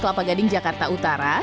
terus misalnya kue